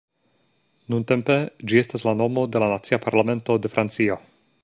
Nuntempe ĝi estas la nomo de la nacia parlamento de Francio.